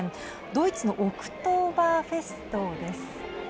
ドイツのオクトーバーフェストです。